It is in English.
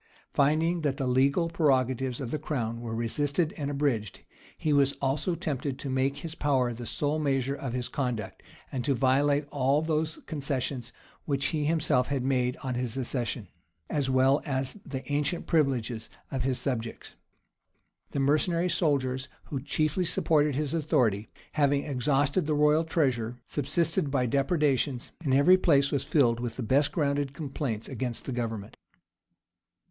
Finding that the legal prerogatives of the crown were resisted and abridged, he was also tempted to make his power the sole measure of his conduct, and to violate all those concessions which he himself had made on his accession,[*] as well as the ancient privileges of his subjects. The mercenary soldiers, who chiefly supported his authority, having exhausted the royal treasure, subsisted by depredations; and every place was filled with the best grounded complaints against the government.